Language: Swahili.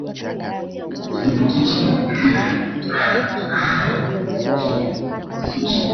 kirutubishi aina ya beta karotini rangi ya karoti ya kiazi lishe